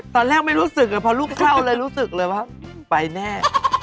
ตอนแรกไม่รู้สึกพอลูกเข้าเลยรู้สึกเลยว่าไปแน่